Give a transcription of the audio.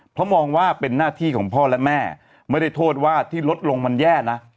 เพราะมองว่าเป็นหน้าที่ของพ่อและแม่ไม่ได้โทษว่าที่ลดลงมันแย่นะ